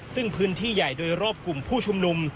ซึ่งพื้นที่ใหญ่โดยรอบกลุ่มผู้ชุมนุม